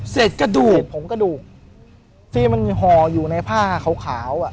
เสร็จกระดูกผงกระดูกที่มันห่ออยู่ในผ้าขาวอ่ะ